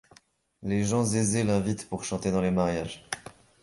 Les gens aisés l'invitent pour chanter dans les mariages.